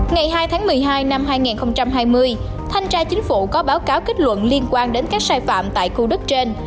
ngày hai tháng một mươi hai năm hai nghìn hai mươi thanh tra chính phủ có báo cáo kết luận liên quan đến các sai phạm tại khu đất trên